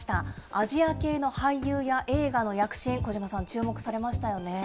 アジア系の俳優や映画の躍進、小島さん、注目されましたよね。